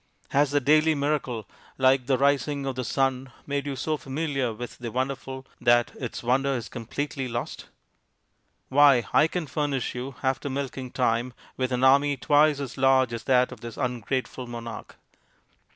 Has the daily miracle, like the rising of the sun, made you so familiar with the wonderful that its wonder is completely lost ? Why, I can furnish you, after milking time, with an army twice as large as that of this ungrateful monarch